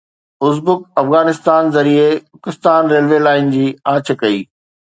Uzbek Afghanistan ذريعي اکستان railway line جي آڇ ڪئي